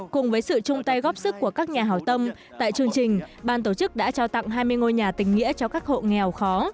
cùng với sự chung tay góp sức của các nhà hào tâm tại chương trình ban tổ chức đã trao tặng hai mươi ngôi nhà tình nghĩa cho các hộ nghèo khó